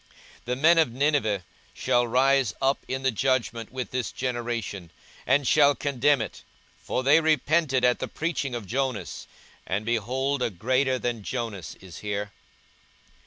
42:011:032 The men of Nineve shall rise up in the judgment with this generation, and shall condemn it: for they repented at the preaching of Jonas; and, behold, a greater than Jonas is here.